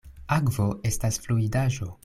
Akvo estas fluidaĵo.